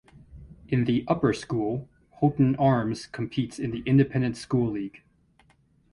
In the Upper School, Holton-Arms competes in the Independent School League.